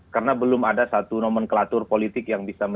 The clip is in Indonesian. karena belum ada satu nomenklatur politik yang bisa menentukan